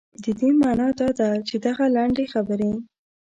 دې معنا دا ده چې دغه لنډې خبرې.